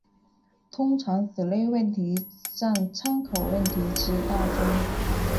通常此类问题占参考问题之大宗。